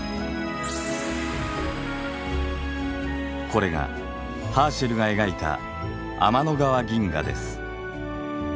これがハーシェルが描いた天の川銀河です。